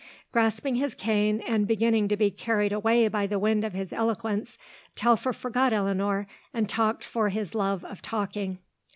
Grasping his cane and beginning to be carried away by the wind of his eloquence Telfer forgot Eleanor and talked for his love of talking.